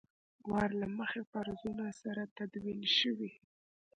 وار له مخکې فرضونو سره تدوین شوي.